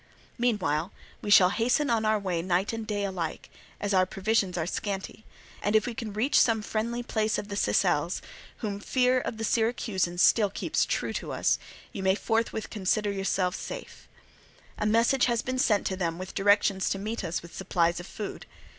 Meanwhile we shall hasten on our way night and day alike, as our provisions are scanty; and if we can reach some friendly place of the Sicels, whom fear of the Syracusans still keeps true to us, you may forthwith consider yourselves safe. A message has been sent on to them with directions to meet us with supplies of food.